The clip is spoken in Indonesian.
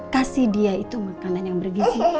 kasih dia itu makanan yang bergisi